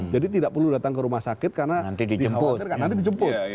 jadi tidak perlu datang ke rumah sakit karena nanti dijemput